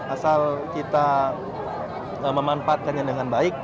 asal kita memanfaatkannya dengan baik